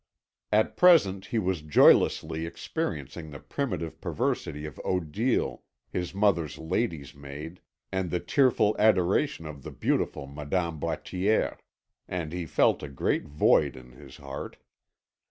At present he was joylessly experiencing the primitive perversity of Odile, his mother's lady's maid, and the tearful adoration of the beautiful Madame Boittier. And he felt a great void in his heart.